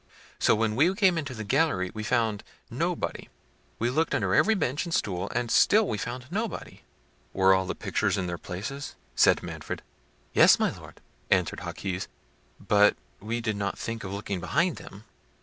So when we came into the gallery we found nobody. We looked under every bench and stool; and still we found nobody." "Were all the pictures in their places?" said Manfred. "Yes, my Lord," answered Jaquez; "but we did not think of looking behind them."